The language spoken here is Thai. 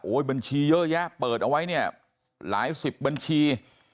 บัญชีเยอะแยะเปิดเอาไว้เนี่ยหลายสิบบัญชี